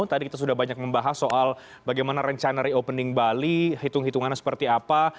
tadi kita sudah banyak membahas soal bagaimana rencana reopening bali hitung hitungannya seperti apa